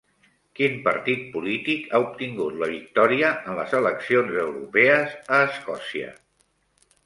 Quin partit polític ha obtingut la victòria en les eleccions europees a Escòcia?